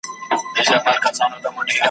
نه سلمان وم نه په برخه مي خواري وه `